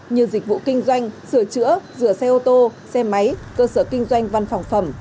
như dịch vụ kinh doanh sửa chữa rửa xe ô tô xe máy cơ sở kinh doanh văn phòng phẩm